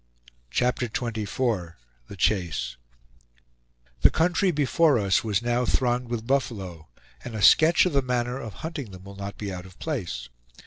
CHAPTER XXIV THE CHASE The country before us was now thronged with buffalo, and a sketch of the manner of hunting them will not be out of place.